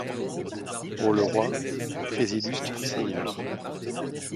Pour le roi, très illustre seigneur.